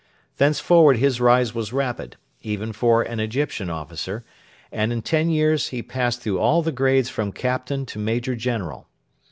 Thenceforward his rise was rapid, even for an Egyptian officer, and in ten years he passed through all the grades from Captain to Major General.